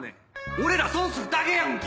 俺ら損するだけやんけ！